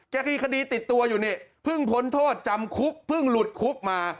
ก็มีคดีติดตัวอยู่นี่เพิ่งพ้นโทษจำคุกเพิ่งหลุดคุกมา